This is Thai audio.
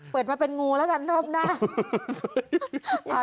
เปิดมาเป็นงูแล้วกันรอบหน้า